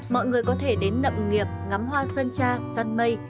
mọi người có thể đến nậm nghiệp ngắm hoa sơn tra săn mây